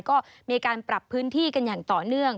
ก็มีการปรับพื้นที่กันอย่างต่อเนื่อง